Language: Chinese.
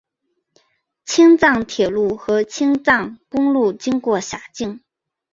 青藏铁路和青藏公路经过辖境。